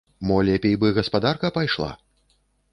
Мо лепей бы гаспадарка пайшла?